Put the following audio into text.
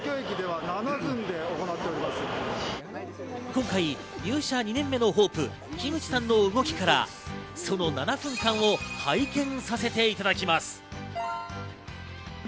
今回入社２年目のホープ・樋口さんの動きからその７分間を拝見させていただきます。